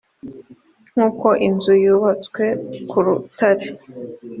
nk uko inzu yubatswe ku rutare